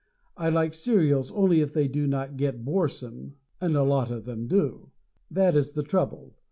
I like serials only if they do not get boresome; and a lot of them do. That is the trouble.